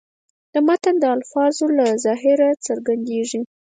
د متن د الفاظو له ظاهره څرګندېږي.